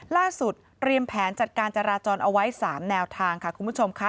เตรียมแผนจัดการจราจรเอาไว้๓แนวทางค่ะคุณผู้ชมค่ะ